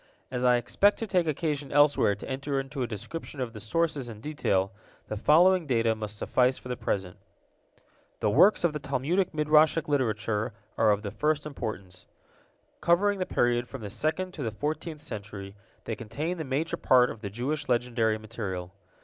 As I expect to take occasion elsewhere to enter into a description of the sources in detail, the following data must suffice for the present. The works of the Talmudic Midrashic literature are of the first importance. Covering the period from the second to the fourteenth century, they contain the major part of the Jewish legendary material.